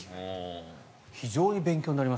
非常に勉強になります。